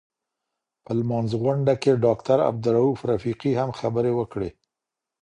په لمانځغونډه کي داکټر عبدالروف رفیقي هم خبري وکړې.